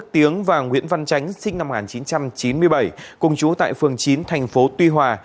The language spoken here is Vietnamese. tiếng và nguyễn văn tránh sinh năm một nghìn chín trăm chín mươi bảy cùng chú tại phường chín thành phố tuy hòa